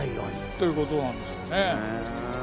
ということなんですよね。